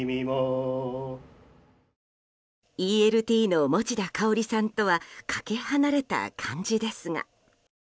ＥＬＴの持田香織さんとはかけ離れた感じですが。